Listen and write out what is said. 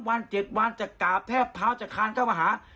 ๓วัน๗วันจะกล่าแพ้พร้าวจะคานเข้ามาหา